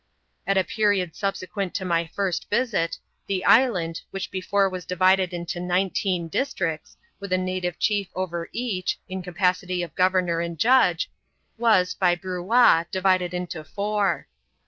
At a period subsequent to my first visit, the island, which before was divided into nineteen districts, with a native chief over each, in capacity of governor and judge, was, by Bruat» divided into four.